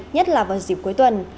nhất là vào dịp cuối tuần